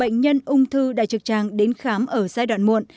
bệnh nhân ung thư đại trực tràng đến khám ở giai đoạn muộn